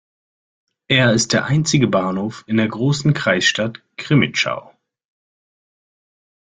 Er ist der einzige Bahnhof in der Großen Kreisstadt Crimmitschau.